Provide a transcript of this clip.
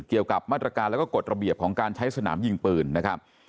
เกี่ยวกับมาตรการแล้วก็กฎระเบียบของการใช้สนามยิงปืนนะครับ